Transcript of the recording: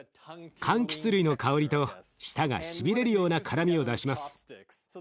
かんきつ類の香りと舌がしびれるような辛みを出します。